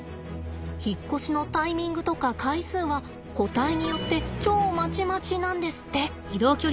引っ越しのタイミングとか回数は個体によって超まちまちなんですって。